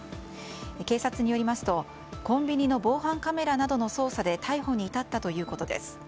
警察によりますと、コンビニの防犯カメラなどの捜査で逮捕に至ったということです。